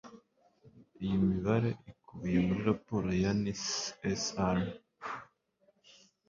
Iyi mibare ikubiye muri Raporo ya NISR